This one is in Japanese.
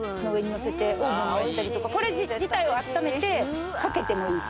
これ自体をあっためて掛けてもいいし。